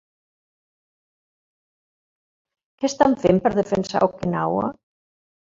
Què estan fent per defensar Okinawa?